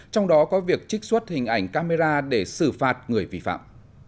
trong đó có việc trích xuất hình ảnh camera để xử phạt người vi phạm